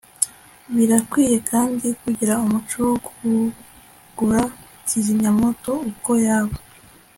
birakwiye kandi kugira umuco wo kugura kizimyamwoto uko yaba